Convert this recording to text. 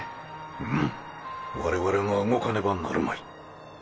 うむ我々が動かねばなるまい。